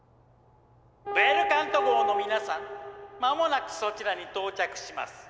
「ベルカント号の皆さん間もなくそちらに到着します」。